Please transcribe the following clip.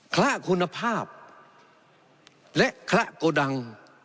คละคุณภาพและคละโกดัง